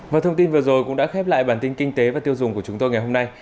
và thông tin vừa rồi cũng đã khép lại bản tin kinh tế và tiêu dùng của chúng tôi ngày hôm nay